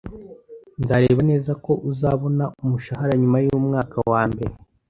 Nzareba neza ko uzabona umushahara nyuma yumwaka wambere